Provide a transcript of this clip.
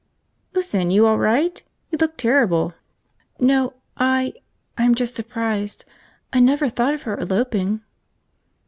"Listen, you all right? You look terrible." "No, I – I'm just surprised. I never thought of her eloping."